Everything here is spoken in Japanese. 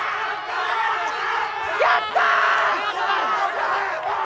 やったー！